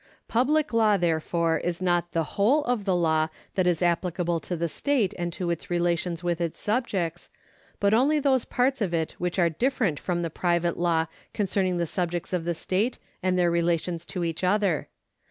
PubUc law, therefore, is not the whole of the law that is applicable to the state and to its relations with its subjects, but only those parts of it which are different from the private law con cerning the subjects of the state and their relations to each other.